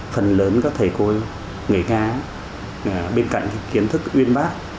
phần lớn các thầy cô người nga bên cạnh kiến thức uyên bác